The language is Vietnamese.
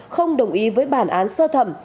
không đồng ý với bản án sơ thẩm